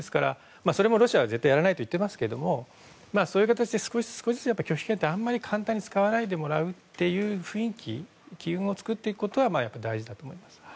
それもロシアは絶対にやらないと言っていますけどそういう形で少しずつ拒否権をあまり簡単に使わないでもらう雰囲気を作っていくことは大事だと思います。